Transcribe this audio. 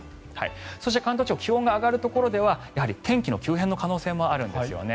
そして関東地方気温が上がるところでは天気急変の可能性もあるんですね。